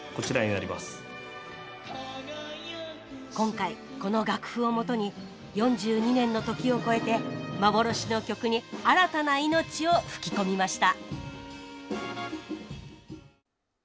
今回この楽譜を元に４２年の時を超えて幻の曲に新たないのちを吹き込みました